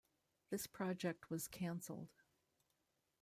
This project was cancelled.